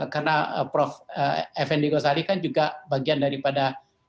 karena prof effendi ghazali kan juga bagian daripada